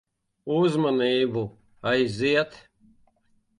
Uzmanību. Aiziet.